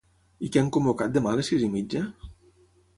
I què han convocat demà a les sis i mitja?